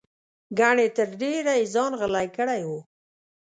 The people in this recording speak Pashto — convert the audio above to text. ګنې تر ډېره یې ځان غلی کړی و.